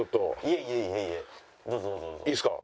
いいですか？